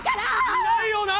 いないよな？